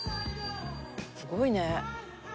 すごいね。